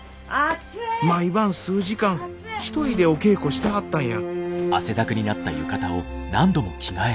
毎晩数時間１人でお稽古してはったんや。